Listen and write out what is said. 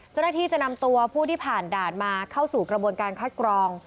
เจ้าหน้าที่จะนำตัวผู้ที่ผ่านด่านมาเข้าสู่กระบวนการคัดกรอง